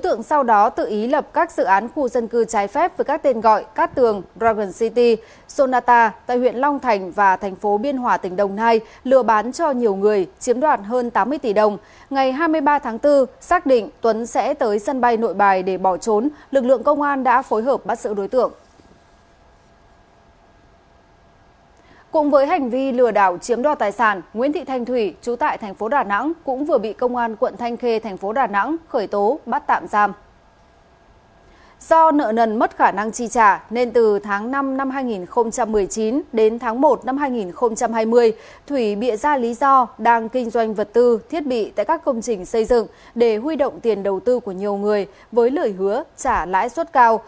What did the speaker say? từ tháng năm năm hai nghìn một mươi chín đến tháng một năm hai nghìn hai mươi thủy bịa ra lý do đang kinh doanh vật tư thiết bị tại các công trình xây dựng để huy động tiền đầu tư của nhiều người với lời hứa trả lãi suất cao